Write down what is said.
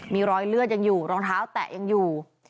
มีรอยเลือดยังอยู่รองเท้าแตะยังอยู่